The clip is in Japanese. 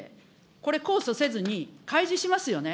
これ、控訴せずに開示しますよね。